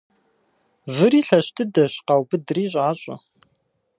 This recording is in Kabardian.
Выри лъэщ дыдэщ къаубыдри щIащIэ.